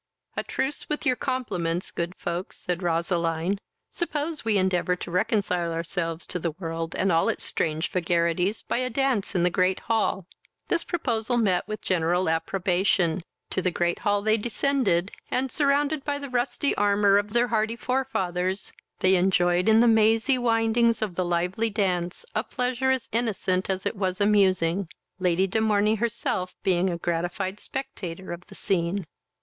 "A truce with your compliments, good folks, (said Roseline;) suppose we endeavour to reconcile ourselves to the world, and all its strange vagaries, by a dance in the great hall. This proposal met with general approbation; to the great hall they descended, and, surrounded by the rusty armour of their hardy forefathers, they enjoyed in the mazy windings of the lively dance, a pleasure as innocent as it was amusing, Lady de Morney herself being a gratified spectator of the scene.